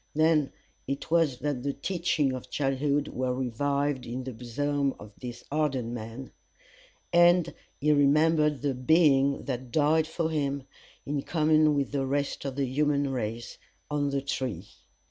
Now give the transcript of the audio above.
Then it was that the teachings of childhood were revived in the bosom of this hardened man, and he remembered the Being that died for him, in common with the rest of the human race, on the tree.